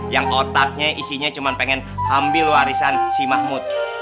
yang otaknya isinya cuma pengen ambil warisan si mahmud